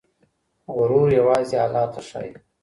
غرور يوازې الله ته ښايي.